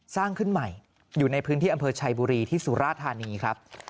สร้างขึ้นใหม่อยู่ในพื้นที่อำเภอชัยบุรีที่สุราธานีครับ